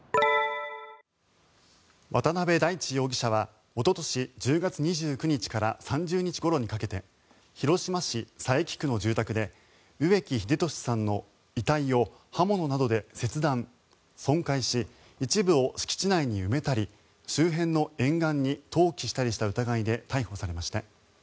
渡部大地容疑者はおととし１０月２９日から３０日ごろにかけ広島市佐伯区の住宅で植木秀俊さんの遺体を刃物などで切断・損壊し一部を敷地内に埋めたり周辺の沿岸に投棄したりした疑いで逮捕されました。